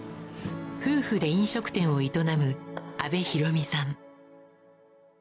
夫婦で飲食店を営む阿部裕美さん。